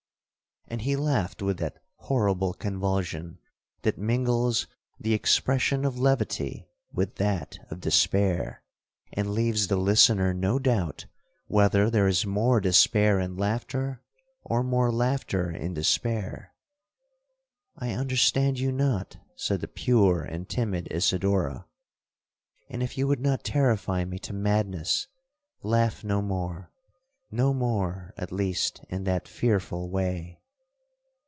And he laughed with that horrible convulsion that mingles the expression of levity with that of despair, and leaves the listener no doubt whether there is more despair in laughter, or more laughter in despair. 'I understand you not,' said the pure and timid Isidora; 'and if you would not terrify me to madness, laugh no more—no more, at least, in that fearful way!'